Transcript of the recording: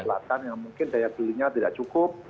selatan yang mungkin daya belinya tidak cukup